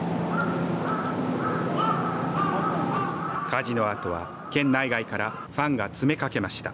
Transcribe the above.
火事のあとは県内外からファンが詰めかけました。